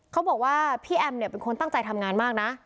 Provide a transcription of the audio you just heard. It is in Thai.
เขาบอกว่าพี่แอมเนี่ยเป็นคนตั้งใจทำงานมากนะ